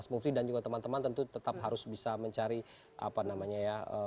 mas mufri dan juga teman teman tentu tetap harus bisa mencari apa namanya ya